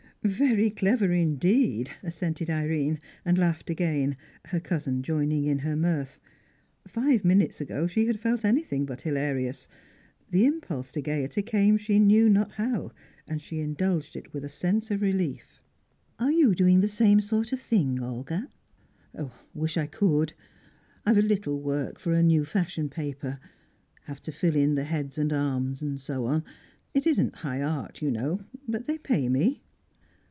"Very clever indeed," assented Irene, and laughed again, her cousin joining in her mirth. Five minutes ago she had felt anything but hilarious; the impulse to gaiety came she knew not how, and she indulged it with a sense of relief. "Are you doing the same sort of thing, Olga?" "Wish I could. I've a little work for a new fashion paper; have to fill in the heads and arms, and so on. It isn't high art, you know, but they pay me."